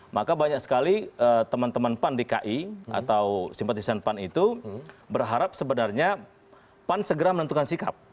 maka banyak sekali teman teman pan dki atau simpatisan pan itu berharap sebenarnya pan segera menentukan sikap